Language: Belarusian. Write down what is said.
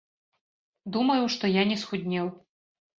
Думаю, што я не схуднеў.